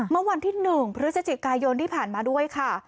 เมื่อวันที่๑พฤศจิกายนที่ผ่านมาด้วยค่ะ